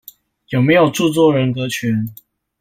有沒有著作人格權？